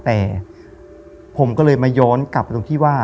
แต่ผมก็เลยมาย้อนกลับตรงที่ว่า